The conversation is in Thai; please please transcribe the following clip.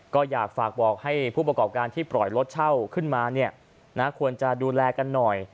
ก็อยากฝากบอกให้ผู้ประกอบการที่ปล่อยรถเช่าขึ้นมาควรจะดูแลกันหน่อย